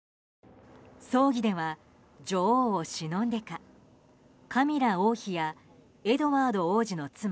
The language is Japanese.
葬儀では女王をしのんでかカミラ王妃やエドワード王子の妻